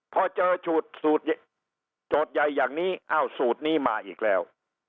พอเจอสูตรโจทย์ใหญ่อย่างนี้อ้าวสูตรนี้มาอีกแล้ว